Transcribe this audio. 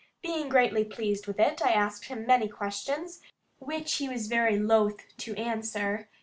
Being greatly pleased with it, I asked him many questions, which he was very loth to answer.